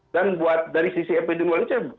dan dari sisi epidemiologi